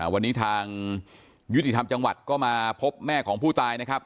วันนี้ทางยุติธรรมจังหวัดก็มาพบแม่ของผู้ตายนะครับ